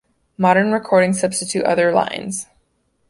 Modern recordings substitute other lines.